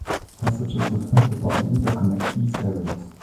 Passages within the body interconnect these areas.